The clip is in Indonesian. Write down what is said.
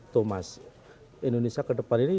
tuh mas indonesia kedepan ini